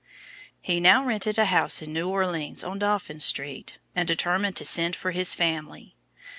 He now rented a house in New Orleans on Dauphine street, and determined to send for his family.